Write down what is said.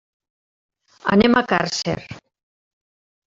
Anem a Càrcer.